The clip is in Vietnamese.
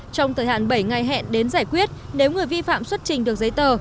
trong thời hạn bảy ngày hẹn đến giải quyết nếu người vi phạm xuất trình được giấy tờ